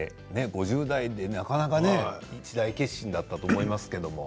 ５０代でなかなかね一大決心だったと思いますけど。